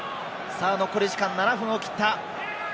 残り時間７分を切った。